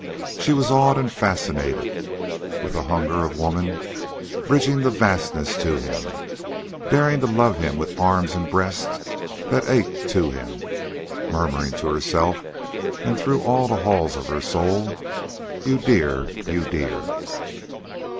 She was awed and fascinated, with the hunger of woman bridging the vastness to him, daring to love him with arms and breast that ached to him, murmuring to herself and through all the halls of her soul, "You dear, you dear."